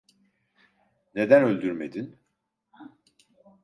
Neden öldürmedin?